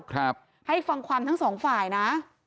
ให้ฟังความทั้งสองฝ่ายนะ